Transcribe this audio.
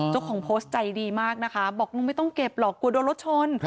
เจ้าของโพสต์ใจดีมากนะคะบอกลุงไม่ต้องเก็บหรอกกลัวโดนรถชน